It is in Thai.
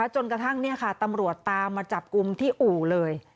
จนกระทั่งตำรวจตามมาจับกลุ่มที่อู่เลย